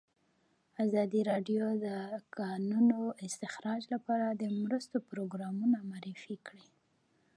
ازادي راډیو د د کانونو استخراج لپاره د مرستو پروګرامونه معرفي کړي.